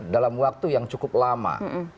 dalam waktu yang cukup lama